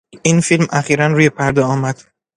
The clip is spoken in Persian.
این فیلم اخیرا روی پرده آمد.